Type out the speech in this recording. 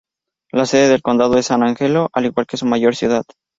La sede del condado es San Angelo, al igual que su mayor ciudad.